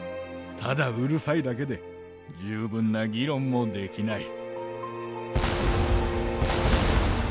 ただうるさいだけで十分な議論もできない」。